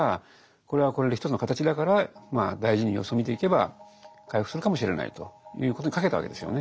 これはこれで一つの形だからまあ大事に様子を見ていけば回復するかもしれないということにかけたわけですよね